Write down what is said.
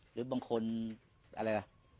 หรือบางคนอะไรล่ะ